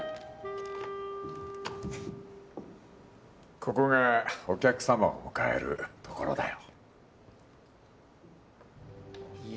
ここがお客様を迎えるところだよいや